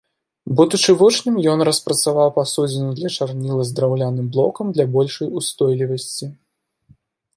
Будучы вучнем ён распрацаваў пасудзіну для чарніла з драўляным блокам для большай устойлівасці.